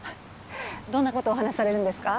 どんなことをお話しされるんですか？